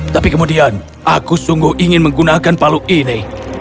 tapi kemudian aku sungguh ingin menggunakan palu ini